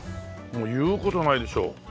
もう言う事ないでしょ。